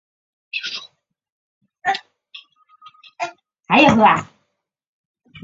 担任齐星集团的董事长。